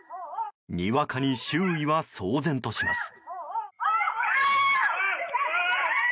にわかに周囲は騒然とします。